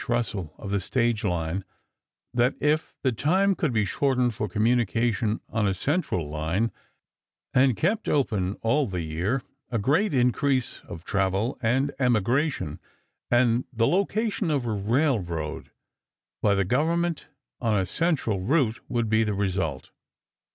Russell of the stage line that if the time could be shortened for communication on a central line, and kept open all the year, a great increase of travel and emigration, and the location of a railroad by the Government on a central route, would be the result.